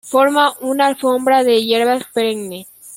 Forma una alfombra de hierbas perennes.